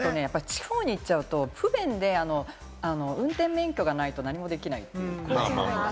地方に行っちゃうと不便で、運転免許がないと何もできない。